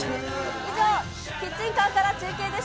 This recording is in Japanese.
以上、キッチンカーから中継